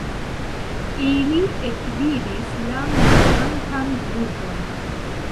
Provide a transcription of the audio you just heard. Ili ekvidis la mortantan lupon.